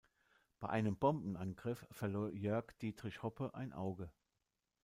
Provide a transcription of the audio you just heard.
Bei einem Bombenangriff verlor Jörg-Dietrich Hoppe ein Auge.